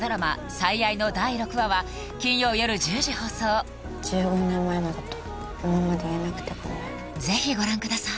「最愛」の第６話は金曜よる１０時放送１５年前のこと今まで言えなくてごめんぜひご覧ください